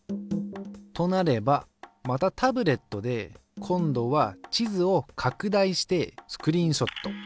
となればまたタブレットで今度は地図を拡大してスクリーンショット。